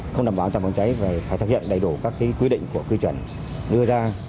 không đảm bảo đảm bảo cháy và phải thực hiện đầy đủ các cái quy định của quy chuẩn đưa ra